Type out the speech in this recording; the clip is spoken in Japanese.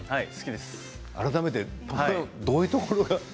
改めてパンのどういうところが？